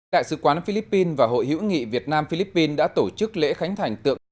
đại sứ quán philippines và hội hữu nghị việt nam philippines đã tổ chức lễ khánh thành tượng